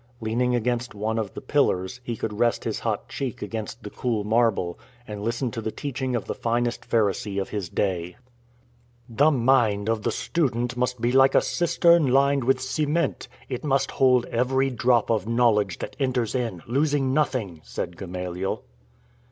Leaning against one of the pillars, he could rest his hot cheek against the cool marble and listen to the teaching of the finest Pharisee of his day. 54 IN TRAINING " The mind of the student must be Hke a cistern lined with cement. It must hold every drop of knowl edge that enters in, losing nothing," said Gamaliel.